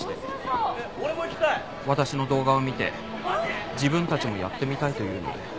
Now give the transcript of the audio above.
私の動画を見て自分たちもやってみたいと言うので。